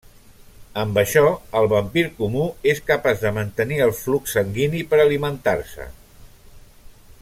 Amb això, el vampir comú és capaç de mantenir el flux sanguini per alimentar-se.